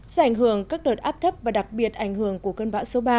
do ảnh hưởng các đợt áp thấp và đặc biệt ảnh hưởng của cơn bão số ba